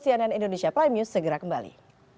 cnn indonesia prime news segera kembali